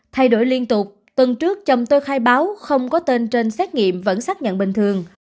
thay đổi liên tục tuần trước chồng tôi khai báo không có tên trên xét nghiệm vẫn xác nhận bình thường